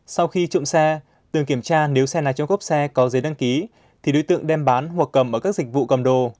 sau khi trộm xe từng kiểm tra nếu xe này trong cốp xe có giấy đăng ký thì đối tượng đem bán hoặc cầm ở các dịch vụ cầm đồ